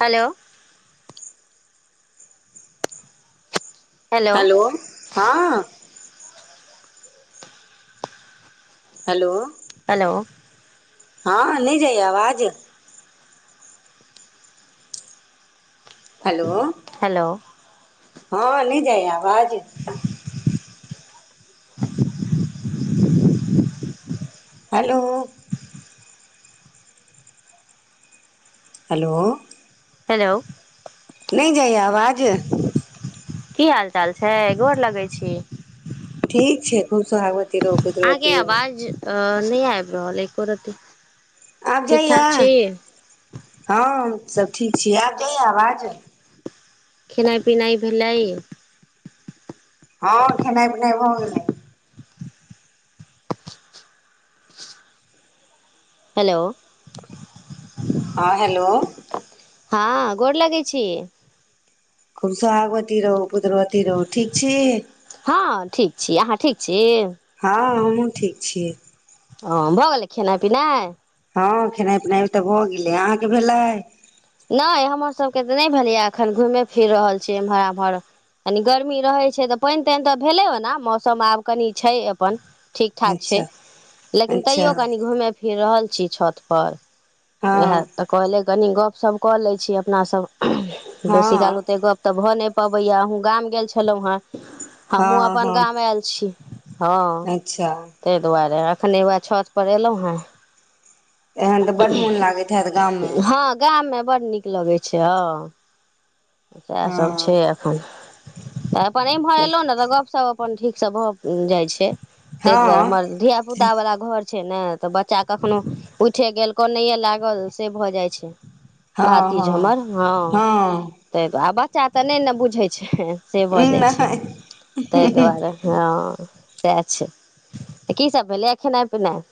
hello hello हँं hello hello हँ नहि जाइया आवाज हेलो हेलो हँ नहि जाइय आवाज हेलो हेलो हेलो नै जाइय आवाज की हाल चाल छै गोर लगै छी ठीक छै खूब सोहागवती रहू आहँ के पुत्रवती रहू अवाज अ नहि आबि रहल एकोरति आब जाइया हँ सभ ठीक छीयै आब जाइया आवाज खेनाइ पिनाइ भेलै हँ खेनाइ पिनाइ भऽ गेलै हेलो हँ हेलो हँ गोर लगै छी खुब सुहागवती रहू पुत्रवती रहू ठीक छी हँ ठीक छी अहाँ ठीक छी हँ हमू ठीक छी ओ भऽ गेल खेनाइ पिनाइ हँ खेनाइ पिनाइ तऽ भऽ गेलै अहाँके भेलै नइ हमर सबके तऽ नइ भेलैए एखन घूमे फिर रहल छियै एम्हर आम्हर कनी गर्मी रहै छै तऽ पानि तानि तऽ भेलै ओना मौसम आब कनि छै अपन ठीक ठाक अच्छा छै लेकिन अच्छा तैयो कनि घूमे फिर रहल छी छत पर उएह हँ तऽ कहले कनी गपशप कऽ लै छी अपना सब बेसी काल हँ ओते गप तऽ भऽ नइ पबैया अहुं गाम गेल छलहुँ हं हमहुँ हँ अपन हँ गाम आयल छी हँ अच्छा तइ दुआरे खने उएह छतपर एयलहुँ हँ एहन तऽ बड्ड मोन लागैत हएत गाममे हँ गाममे बड्ड नीक लगै छै हं सएहसभ छै हँ एखन तऽ अपन एम्हर एलहुँ ने तऽ गपशप अपन ठीक से भऽ जाय छै तइ दुआरे हँ हमर धिया पुता वला घर छै ने तऽ बच्चा कखनो उठे गेल कनैे लागल से भऽ जाइ छै भातिज हमर हँ हँ आ बच्चा तऽ नइने बुझै छै से भऽ जाइ छै नहि तइ दुआरे हँ सएह छै त की सब भेलैए खेनाइ पिनाइ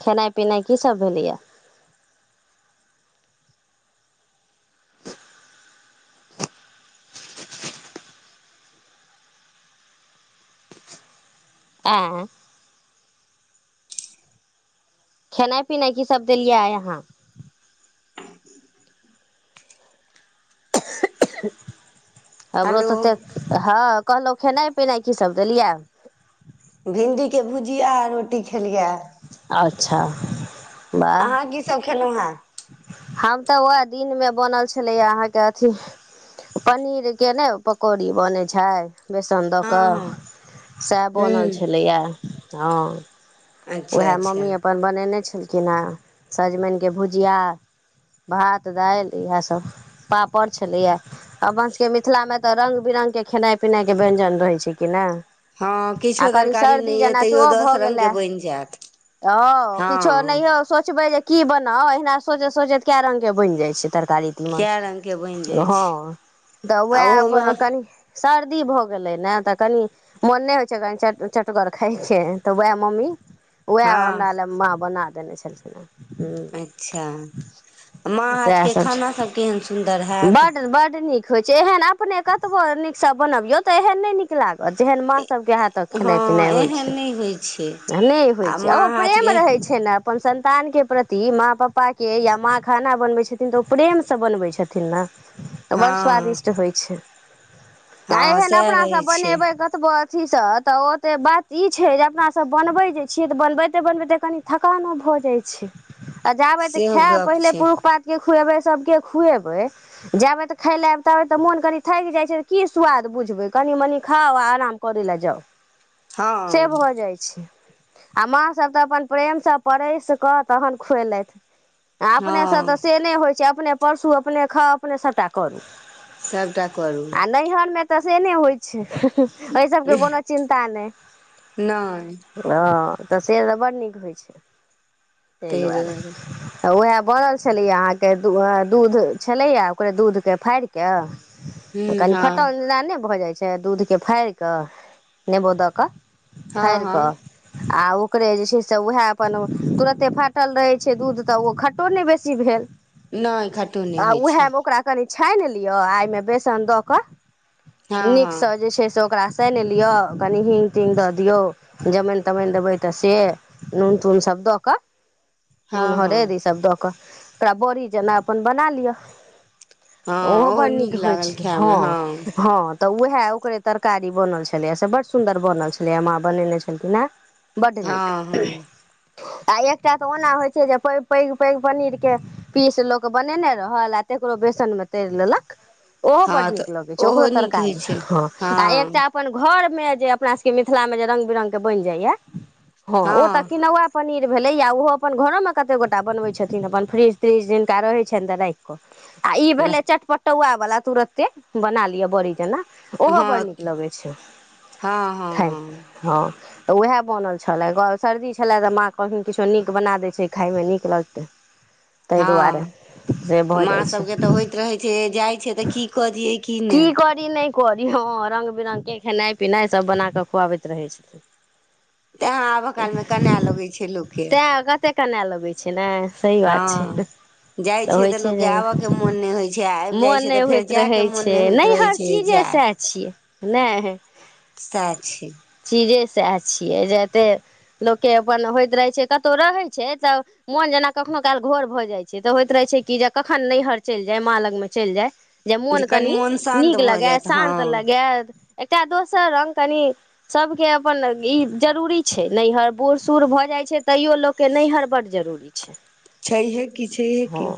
खेनाइ पिनाइ कीसभ भेलैए आँए खेनाइ पीनाइ की सब देलियै आइ आहां हमरो हेलो तऽ तऽ हँ कहलहुँ खेनाइ पिनाइ की सब देलिया भिंडीके भुजिया रोटी खेलिया अच्छा वाह अहाँ कीसब खेलहुँ हंए हम तऽ उएह दिनमे बनल छलैए अहाँके अथी पनीरके ने पकौड़ी बनै छै बेसन दऽ हँ कऽ हँ सएह हूँ बनल छलैए हँ अच्छा उएह अच्छा मम्मी अपन बनेने छल केना सजमनिके भुजिया भात दालि इएह सब पापड़ छलैए अपन सबके मिथिला मे तऽ रंग बिरंग रंग के खेनाइ पिनाय के व्यंजन रहै छै कि नइ हँ आ किछो कनि तरकारी नहि सर्दी यए जेना तैयो सेहो दस भऽ रंगके गेलै बनि जायत ह किछो हँ नहियो सोचबै जे की बनौ एहिना सोचैत सोचैत कै रंग के बनि जाय छै तरकारी तीमन कए रंगके बनि जाइ हँ छै तऽ आ उएह ओहोमे अपन कनि सर्दी भऽ गेलै ने तऽ कनि मोन नहि होइ छै कनि च चटगर खायके तऽ वएह मम्मी उएह हँ हमरा लए माँ बना देने छलखिन ह अच्छा माँ ह सएह हाथके सब छै खानासब केहन सुन्दर हैत बड्ड बड्ड होइ नीक छै एहन अपने कतबो नीकसँ बनबियौ तऽ एहन नइ नीक लागत जेहन माँ सब के हत खेनाई पिनाइ हँ होइ एहन छै नहि होइ छै आ नइ आ होइछै माँ ओहो प्रेम हाथके रहै छै न अपन संन्तान के प्रति माँ पापा के या माँ खाना बनबै छथिन तऽ ओ प्रेम से बनबै छथिन ना तऽ बड़ हँ स्वादिष्ट होइ छै आ हँ एहन सएह अपना रहै सब छै बनेबै कतबो अथी से तऽ ओते बात ई छै जे अपना सब बनबे जे छियै तऽ बनबैते बनबैते कनि थकानो भऽ जाइ छै आ जाबे तऽ सेहो खाय गप पहिले छै पुरुष पात के खुएबै सब के खुएबे जाबे तऽ खाय ले आब तबे त मोन करी थकि जाइ छै की स्वाद बुझबे क तनी मनी खाउ आ आराम करै ल जाउ से हँ भऽ जाइ छै आ माँ सभ तऽ अपन प्रेमसँ परस कऽ तखन खुएलथि आ अपनेसँ हँ तऽ से नहि होइत छै अपने परसू अपने खाउ अपने सभटा करू सभटा करू आ नैहरमे तऽ से ने होइ छै एहि सबके कोनो चिन्ता नहि नहि हँ तऽ से तऽ बड नीक होइ छै ताहि दुआरे तऽ उएह बोलल छलै अहाँ के दूध छलैया ओकरे दूधके फाड़ि के ह्म कनि हँ फटल ने भऽ जाइ छै दूधके फाड़ि कऽ नेबो दऽ कऽ हँ फाड़ि हँ कऽ आ ओकरे जे छै से उएह अपने तुरन्ते फाटल रहैत छै दूध तऽ ओ खटो नहि बेसी भेल नहि खट्टो नहि आ होइ ओ छै है मकरा क न छानि लियअ एहिमे बेसन दऽ कऽ हँ हँ नीकसँ जे छै से ओकरा सनि लिय कनि हिंग तिंगग दऽ दियऔ जमैन तमानि देबै तऽ से नून तून सब दऽ कऽ नून हँ हँ हरद इसभ दऽ कऽ ओकरा बड़ी जेना अपन बना लिअ ओहो बड़ नीक होइ छै हँ हँ तऽ उएह ओकरे तरकारी बनल छले से बड सुंदर बनल छलेया माँ बनेने छलखिन हे हँ हँ आ एकटा तऽ ओना होइ छै जेै पैघ पैघ पनीर के पीस लोक बनेने रहल आ ककरो बेसन मे तर लेलक ओहो हँ बड नीक तऽ लगै छै ओकरो ओहो नीक होइ तरकारी छै ह आ हँ एकटा अपन घर जे अपना सबके मिथिला में जे रंग बिरंग के बनि जाय या हँं तऽ कि हँ नौआ पनीर भेलै या ओहो अपन घरो में कते गोटा बनबै छथिन अपन फ्रिज त्रिज दिनका रहै छनि तऽ राखि कऽ आ ई भेले चटपटौआ वाला तुरते बना लियअ बड़ी जेना हँ ओहो बड़ नीक लगै छै हँ हँ खाइमे हँ तऽ उएह बनल छलए सर्दी छलय तऽ माँ कखन किछो नीक बना दैत छै खाायमे नीक लगते ताहि दुआरे हँ माँ छै सभके तऽ होइत रहै छै जाइ छै तऽ की कजियै की नहि करी ह रंग बिरंगग के खेनाइ पिनाइ सब बना कऽ खुआबैत रहै छथिन तैँ आबऽ कालमे कना लगै छै लोकके तै कते कना लगै छै ने सही बात छै त हँ [unintelligible] जाइ तऽ होइ छै लोकके आबयके मोन नहि होइ छै आ आबि जाइ मन छै नहि तऽ फेर होइत रहै जायके मोन छै नहि होइत रहै नैहर छै चीजे जाय सएह छियै नय सएह छै जे जते लोकके अपन होइत रहै छै कतहु रहैत छै तऽ मोन जेना कखनो काल घोर भ जाय छै तऽ होइत रहै छै कि जे कखन नैहर चलि जाय मां लगमे चलि जाय जे मोन कनी कनि मोन शान्त नीक भऽ लगै जायत हँ शान्त लगय एकटा दोस सर रंग कनि सबके अपन इ जरूरी छै नैहर बूढ़ सूढ़ भ जाय छै तैयो लोक के नैहर बड्ड जरूरी छै छैहे की छैहे हँ की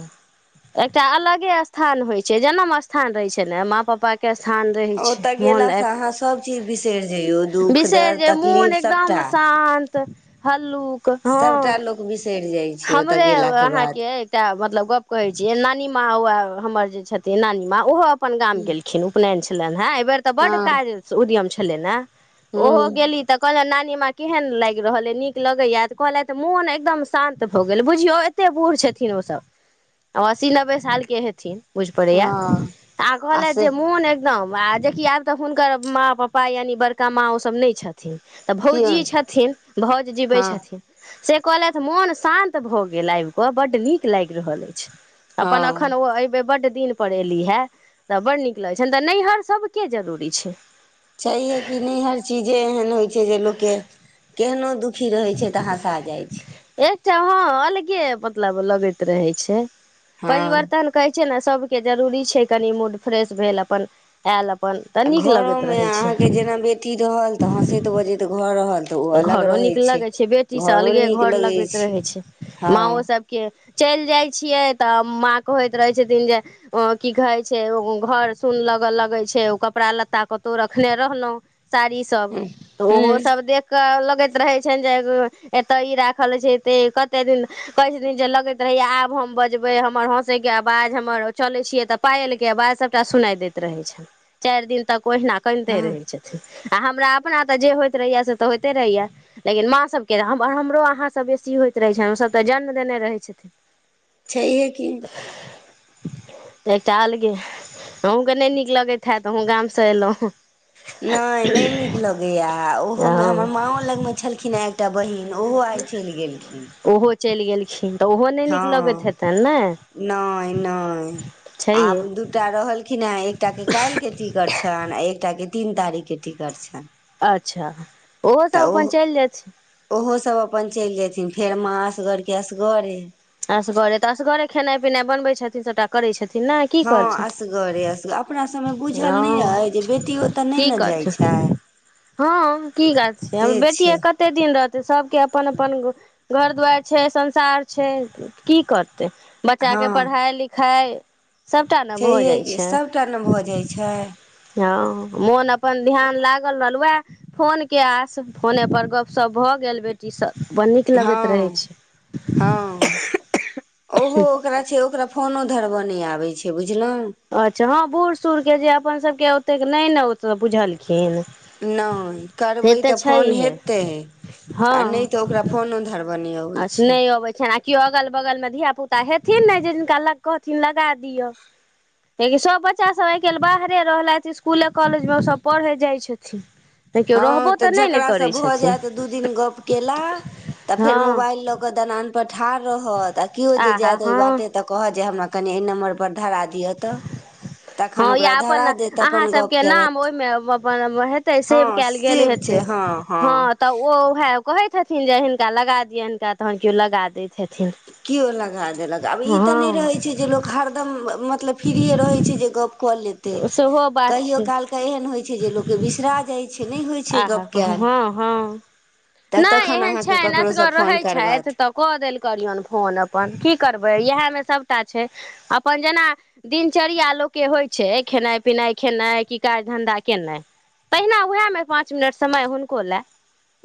एकटा अलगे स्थान होइ छै जनम स्थान रहे छै ने माँ पापा के स्थान रहै छै ओतय मोन गेलासँ अहाँ सभचीज बिसरि जइयौ आ दुःख बिसैर दर्द मोन तकलीफ सभटा एकदम शांत लोक हं सभटा लोक बिसरि जाइ छै ओतय हमरे गेलाके आहांके बाद एकटा मतलब गप कहै छियै नानी माँ हौवा हमर जे छथिन नानी माँ ओहो अपन गाम गेलखिन उपनयन छलनि हे एहि बेर तऽ बड काज उद्यम छलइ ने हुं तऽ कहलन नानी माँ केहन लागि रहल अइ नीक लगैया तऽ कहलथि मोन एकदम शान्त भऽ गेल बुझियौ ए कते बूढ़ छथिन ओसभ आ अस्सी नब्बे साल के हेथिन बुझि पड़ैया हँ आ कहलथि जे मोन एकदम आ जेकि आब तऽ हुनकर माँ पापा यानि बड़का माँ ओ सभ नहि तऽ किया भौजी छथिन भाउज जीबै हँ छथिन से कहलथि मोन शान्त भऽ गेल आबि कऽ बड्ड नीक लागि रहल अछि अपन अखन हँ ओ ऐ बे बड्ड दिन पर एली हे तऽ बड नीक लगैत छ तऽ नैहर सबके जरूरी छै छैहे कि नैहर चीजे एहन होइ छै जे लोकके केहनो खी रहै छै त हंसा जाइ छै हँ अलगे मतलब लगैत रहे छै हँ परिवर्तन कहै छै ने सबके जरूरी छै कनि मूड फ्रेश भेल अपन आयल अप आ घरोमे अहाँके जेना बेटी रहल तऽ हँसैत बजैतऽ घर रहल तऽ ओ अलग घरो रहै नीक लगैत छै बेटी सब घरो अलगे नीक घर लगै लगैत रहे छै हँ माँओ सबके चलि जाइ छियै तऽ माँ के होइत रहै छथिन जे की कहै छै घर सुन लगऽ लगै छै ओ कपड़ा लत्ता कतौ रखने रहलहुँ साड़ी सब हूं तऽ ओहो सब देख लगैत रहै छैन जे एत्त ई राखल छै एत्त कते दिन कहै छथिन जे लगइत रहयै आब हम बजबै हमर हँसैके आवाज हमर चलै छियै तऽ पायलके आवाज सभटा सुना दैत रहै छैन चारि दिन तक ओहिना कनिते हँ रहैत छथिन आ हमरा अपना तऽ जे होइत रहैय से तऽ होयइते रहहिया लेकिन माँ सबके हमरो अहाँ सब बेसी होयइत रहे छै हम सब तऽ जन्म देने रहै छ [inaudible] छैहे की एकटा अलगे अहूँके नहि नीक लगैत हे अहूँ गाम से एयलहुँ नहि नहि नीक लगैया ओहोमे हमर हँ माँओ लगमे छलखिन हें एकटा बहि न ओहो आइ चलि गेलखिन ओहो चलि गेलखिन तऽ ओहो नहि नीक लगैत हँ हेतनि ने नहि नहि आब छैहे दूटा रहलखिन हे एकटा के काल्हि के टिकट छनि आ एकटा के तीन तारीख के टिकट छनि अच्छा ओहो सब अपन चलि जाय छै सब अपन चलि जेथिन फेर माँ असगरके असगरे सटा करैत छथिन ने की हँ करथिन असगरे असगर अपना सबमे बुझल नहि हँ अय जे बेटि ओत' नहि की ने जाइत करथिन छै [unintelligible] हँ की कर छै से छै बेटियए कते दिन रह तऽ सभके अपन अपन घर दुआरि छै संसार छै की कर तै बच्चाके हँ पढ़ाइ लिखाइ सबटा न भऽ छैहे जाइ कि छै सभटा ने भऽ जाइ छै हँ मोन अपन ध्यान लागल रहल वएह फोन के आस फोने पर गप्प शप्प भऽ गेल बेटीसं बड नीक लगैत रहै हँ छै हँ ओहो ओकरा छै ओकरा फोनो धरब' नहि आबै छै बुझ अच्छा हँ बूढ़ सूढ़ के जे अपन सबके ओतेक नहि ने ओ बुझलखिन नहि से करबै तऽ फोन छैहे हेतै आ नहि तऽ ओकरा फोनो धर आ से नहि अबै छै ने आ किओ अगल बगलमे धिया पुता हेथिन ने जे जिनका ल कहथिन लगा दिअ लियेकि सभ बच्चासभ आइ काल्हि बाहरे रहलथि इसकुले कॉलेजमे ओसभ पढ़ै जाइत छथिन तऽ केओ हँ रहबो तऽ नहि ने जकरासँ करै भऽ छथिन जायत दू दिन गप्प केलि तऽ फेर हँ मोबाइल लऽ क दनान पर ठाढ़ रहत आ कियो जे आहा जायत ओही हँ बाटे कहत जे हमरा कनी ऐ नम्बर पर धरा दिय तऽ तखन हँ ओकरा या अपन धरा देत त अपन गप करत व हेतै सेब हँ कयल गेल सेब छै हेतै हँ हँ तऽ ओएह कहै छथिन जे हिनका लगा दिअन हिनका तहन केओ लगा दैत हेतै केओ लगा देलक आब ई तऽ नहि हँ रहैत छै जे लोक हरदम मतलब फ्रीये रहै छै जे गप क लेतै सेहो बात कहियो छै काल क एहन होइ छै जे लोकके बिसरा जाइ छै नहि होइ छै आहा गप कयल हँ हँ तऽ नहि तखन एहन अहाँके छैन ककरोसँ असगर रहै फोन छथि करबात तऽ कऽ देल करियौन फोन अपन की करबै इएहमे सब टा छै अपन जेना दिनचर्या लोकके होइ छै खेनाइ पिनाइ खेनाइ की काज धन्धा केनाइ तहिना उएहमे पाँच मिनट समय हुनको लए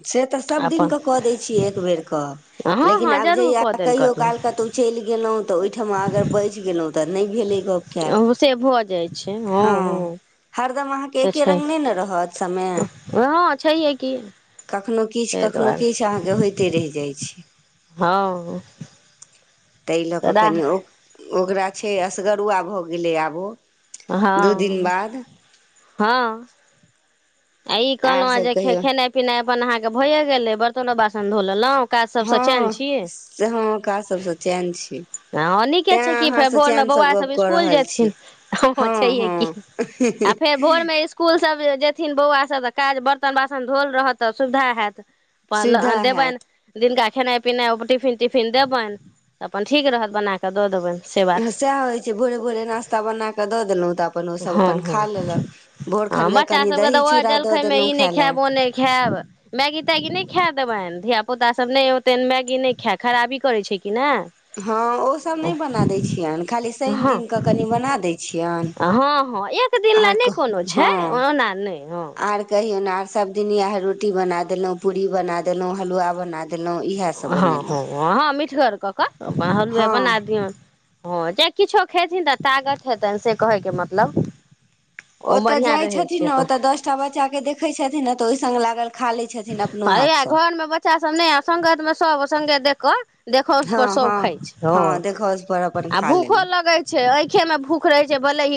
से तऽ सभ अपन दिनकऽ कऽ दै छियै एक बेरकऽ हँ लेकिन हँ आब जरूर जहिया कऽ देल कहियो करू काल कऽ तऽ चलि गेलहुँ तऽ ओहिठाम अगर बझि गेलहुँ तऽ तब नै भेलै गप कैयल से भऽ जाइ छै हँ हं हँ हरदम अहां के तऽ एके छै रंग नहि न रहत समय हँ छैहे की कखनो किछु ताहि कखनो दुआरे किछु अहाँके होइते रहि जाइत छै हँ ताहि लऽ कऽ तऽ कनि ओ ओकरा छै असगरुआ भऽ गेलै आब ओ दू दिन हँ बाद हँ आ ई कहलौं आर यै सभ जे कहियौ खेनाइ पिनाइ अपन अहाँ के भए गेले बर्तनो बासन धो लेलहुं हँ से हँ काज सभसँ चैन छी हं नीके तैँ छै कि फेर अहाँसँ भोर मे चैनसँ बौआ सब गप्प कऽ स्कुल रहल जेथिन छी हंह हँ छैेहे हँ की आ फेर भोरमे स्कुल सब जेथिन बौआ सब तऽ काज बर्तन बासन धोल रहत तऽ सुविधा हाएत पाल' सुविधा हैत देेबैन दिनका खेनाइ पिनाइ ओ टिफिन तिफिन देबनि तऽ अपन ठीक रहत बनाकऽ दऽ देबनि से बात सएह होइ छै भोरे भोरे नास्ता बना क दऽ देलहुँ तऽ अपन ओसभ हँ अपन हँ खा लेलक भोरखन हँ क बच्चा कनि सभके तऽ दही ओएह चूड़ा दऽ जलखैमे देलहुँ ई नहि खाय खायब लए ओ नहि खायब मैगी तैगी नहि खाए देबनि धिया पुता सब नहि होते मैगी नहि खाय खराबी करै छै कि ने हँ ओसभ नहि बना दै छियनि खाली शनि हँ दिनकँ कनि बना दै छियनि हँ हँ एक दिन लए आर नहि कहु कोनो हँ छै ओना नहि हँ आर कहियौन आर सब दिन एहे रोटी बना देलहुं पूरी बना देलहुं हलुवा बना देल हँ हँ हँ मीठगर कऽ कऽ अपन हलुए बना हँ दियौन हँ जे किछो खेथिन तऽ तागत हेतनि से कहैके मतलब ओ ओतय बढ़िआँ जाइ रहै छै छथिन न अपन ओतऽ दस टा बच्चा के देखैत छथिन न तऽ ओहि संग लागल खा लै छथिन अपनो ह या हाथसँ घरमे बच्चा सब नहि आ संगत मे सब संगत देख कऽ देखौंस हँ पर सब हँ खाय छै हँ ह देखौंस पर अपन आ खा भूखो लेलहुँ लगे छै खे मे भूख रहै छै भले